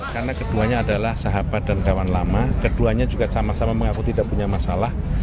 karena keduanya adalah sahabat dan kawan lama keduanya juga sama sama mengaku tidak punya masalah